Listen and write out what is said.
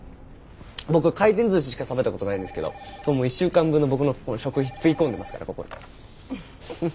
僕回転寿司しか食べた事ないんですけど１週間分の僕の食費つぎ込んでますからここへ。